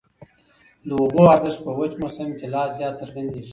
د اوبو ارزښت په وچ موسم کي لا زیات څرګندېږي.